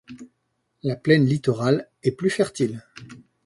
La plaine littorale est plus fertile.